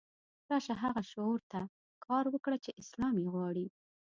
راشه هغه شعور ته کار وکړه چې اسلام یې غواړي.